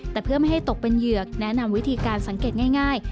แต่เพื่อไม่ให้ตกเป็นเหยือกแนะนำวิธีการสังเกตง่าย